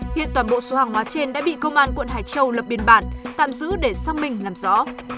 hiện toàn bộ số hàng hóa trên đã bị công an quận hải châu lập biên bản tạm giữ để xác minh làm rõ